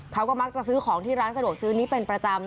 เขาก็มักจะซื้อของที่ร้านสะดวกซื้อนี้เป็นประจำ